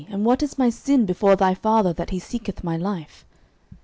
and what is my sin before thy father, that he seeketh my life?